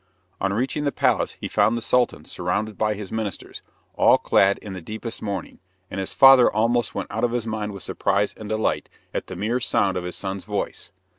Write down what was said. On reaching the palace, he found the Sultan surrounded by his ministers, all clad in the deepest mourning, and his father almost went out of his mind with surprise and delight at the mere sound of his son's voice.